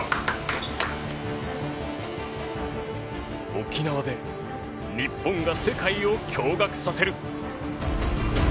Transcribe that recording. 沖縄で日本が世界を驚愕させる。